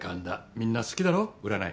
みんな好きだろ占い。